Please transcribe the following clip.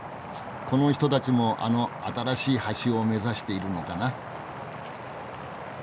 この人たちもあの新しい橋を目指しているのかな。